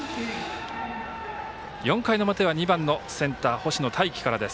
４回の表は２番の星野泰輝からです。